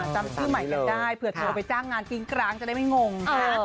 จำชื่อใหม่กันได้เผื่อโทรไปจ้างงานกิ้งกลางจะได้ไม่งง